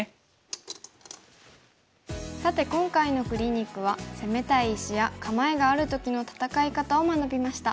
さて今回のクリニックは攻めたい石や構えがある時の戦い方を学びました。